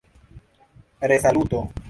resaluto